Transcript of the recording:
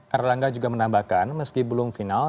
erlangga juga menambahkan meski belum final